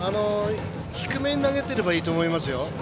低めに投げてればいいと思いますよ。